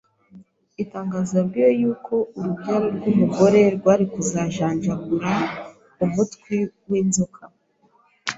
itangazo yabwiwe y’uko urubyaro rw’umugore rwari kuzajanjagura umutwe w’inzoka;